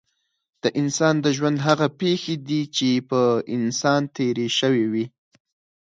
د انسان د ژوند هغه پېښې دي چې په انسان تېرې شوې وي.